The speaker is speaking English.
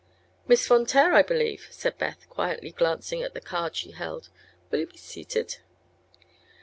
"Miss Von Taer, I believe," said Beth, quietly glancing at the card she held. "Will you be seated?"